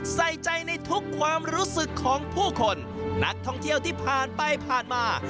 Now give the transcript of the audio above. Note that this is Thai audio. ใส่ใจในทุกความรู้สึกของผู้คนนักท่องเที่ยวที่ผ่านไปผ่านมา